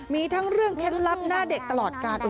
มีทั้งเรื่องเคล็ดลับหน้าเด็กตลอดการ